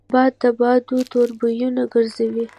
باد د بادو توربینونه ګرځوي